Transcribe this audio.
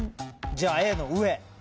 じゃあＡの上。